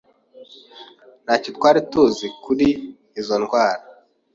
nta cyo twari tuzi kuri izo ndwara.